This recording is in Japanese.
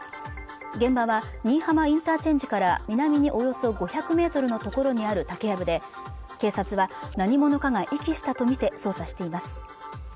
現場は新居浜インターチェンジから南におよそ５００ｍのところにある竹やぶで警察は何者かが遺棄したとみて捜査しています